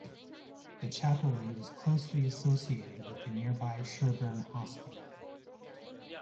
The chapelry was closely associated with the nearby Sherburn Hospital.